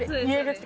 って。